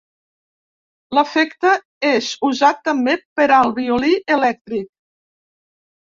L'efecte és usat també per al violí elèctric.